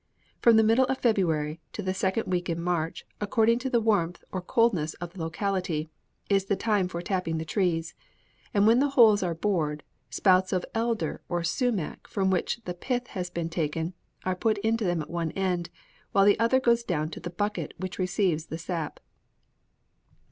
From the middle of February to the second week in March, according to the warmth or the coldness of the locality, is the time for tapping the trees; and when the holes are bored, spouts of elder or sumac from which the pith has been taken are put into them at one end, while the other goes down to the bucket which receives the sap.